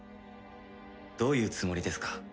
どういうつもりですか？